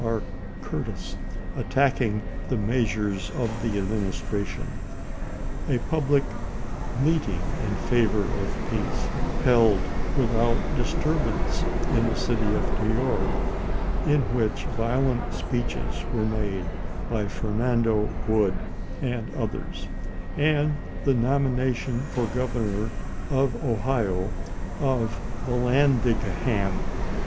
Curtis attacking the measures of the Administration, a public meet ing in favor of peace, held without disturbance in the city of New York, in which violent speeches were made by Fernando Wood and others, and the st" wa?8' nomination for Governor of Ohio of Vallandigham tiSestK.